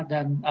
dan mandiri ya